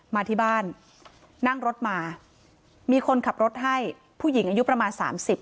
มาที่บ้านนั่งรถมามีคนขับรถให้ผู้หญิงอายุประมาณสามสิบ